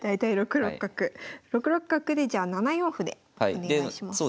６六角でじゃあ７四歩でお願いします。